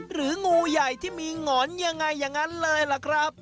งูใหญ่ที่มีหงอนยังไงอย่างนั้นเลยล่ะครับ